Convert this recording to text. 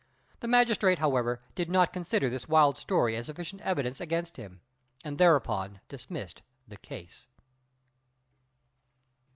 The magistrate, however, did not consider this wild story as sufficient evidence against him, and thereupon dismissed the case.